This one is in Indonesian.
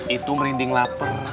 itu merinding lapar